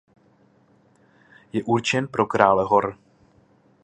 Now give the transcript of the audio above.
Je určen pro krále hor.